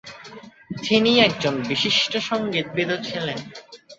তিনি একজন বিশিষ্ট সঙ্গীতবিদও ছিলেন।